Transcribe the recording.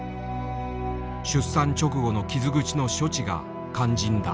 出産直後の傷口の処置が肝心だ。